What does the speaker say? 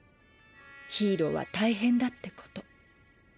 ヒーローは大変だって事。